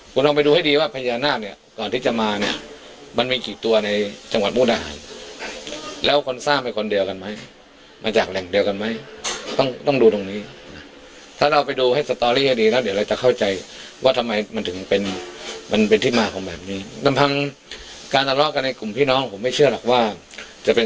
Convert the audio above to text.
คุณลองไปดูให้ดีว่าพญานาคเนี่ยก่อนที่จะมาเนี่ยมันมีกี่ตัวในจังหวัดมุกดาหารแล้วคนสร้างเป็นคนเดียวกันไหมมาจากแหล่งเดียวกันไหมต้องต้องดูตรงนี้นะถ้าเราไปดูให้สตอรี่ให้ดีแล้วเดี๋ยวเราจะเข้าใจว่าทำไมมันถึงเป็นมันเป็นที่มาของแบบนี้ลำพังการทะเลาะกันในกลุ่มพี่น้องผมไม่เชื่อหรอกว่าจะเป็น